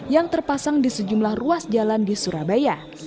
yang terpasang di sejumlah ruas jalan di surabaya